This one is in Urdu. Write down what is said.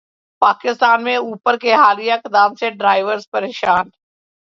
پاکستان میں اوبر کے حالیہ اقدام سے ڈرائیورز پریشان